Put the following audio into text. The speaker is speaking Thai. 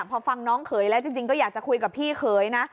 พอฟังน้องเขยแล้วจริงก็อยากจะคุยกับพี่เขยนะ